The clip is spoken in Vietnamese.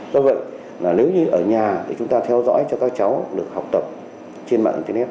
do vậy nếu như ở nhà thì chúng ta theo dõi cho các cháu được học tập trên mạng internet